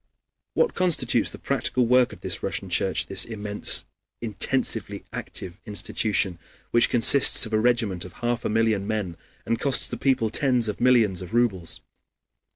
What constitutes the practical work of this Russian Church, this immense, intensely active institution, which consists of a regiment of half a million men and costs the people tens of millions of rubles?